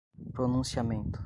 pronunciamento